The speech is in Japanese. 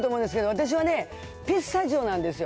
私はね、ピスタチオなんですよ。